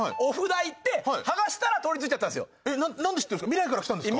未来から来たんですか？